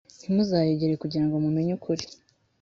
ntimuzayegere kugira ngo mumenye ukuri